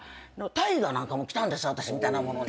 大河なんかも来たんです私みたいな者に。